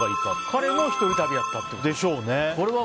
彼も一人旅だったってことですよね。